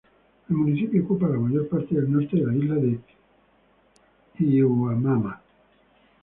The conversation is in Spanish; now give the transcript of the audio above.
El municipio ocupa la mayor parte del norte de la isla de Hiiumaa.